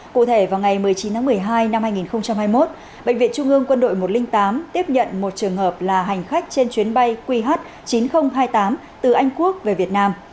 cụ thể vào ngày một mươi chín tháng một mươi hai năm hai nghìn hai mươi một bệnh viện trung ương quân đội một trăm linh tám tiếp nhận một trường hợp là hành khách trên chuyến bay qh chín nghìn hai mươi tám từ anh quốc về việt nam